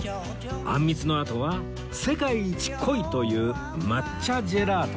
あんみつのあとは世界一濃いという抹茶ジェラートです